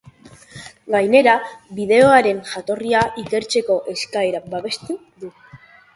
Gainera, bideoaren jatorria ikertzeko eskaera babestu du.